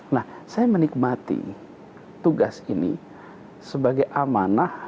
nah saya menikmati tugas ini sebagai amanah